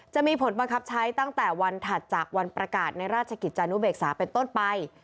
จะมีผลบังคับใช้ตั้งแต่วันถัดจากวันประกาศในราชกิจจานุเบกษาเป็นต้นไป